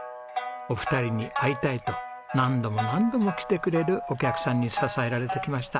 お二人に会いたいと何度も何度も来てくれるお客さんに支えられてきました。